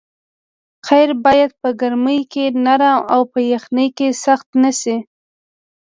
قیر باید په ګرمۍ کې نرم او په یخنۍ کې سخت نه شي